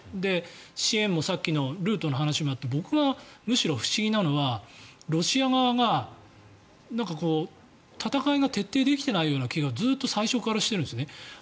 支援もさっきのルートの話もあって僕がむしろ不思議なのはロシア側が戦いが徹底できていない気がずっと最初からしているんですね。